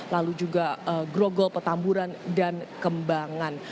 lalu juga grogol petamburan dan kembangan